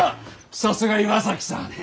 さすが岩崎さん！